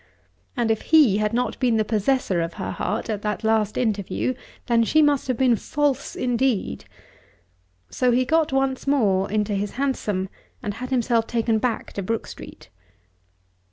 And if he had not been the possessor of her heart at that last interview, then she must have been false indeed! So he got once more into his hansom and had himself taken back to Brook Street.